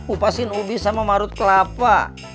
upasin ubi sama marut kelapa